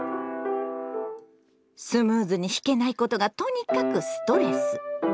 スムーズに弾けないことがとにかくストレス！